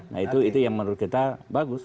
nah itu yang menurut kita bagus